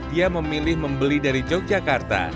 dia memilih membeli dari yogyakarta